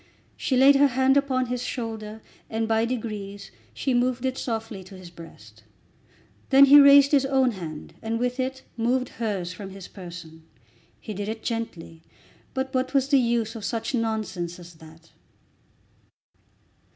She laid her hand upon his shoulder, and by degrees she moved it softly to his breast. Then he raised his own hand and with it moved hers from his person. He did it gently; but what was the use of such nonsense as that?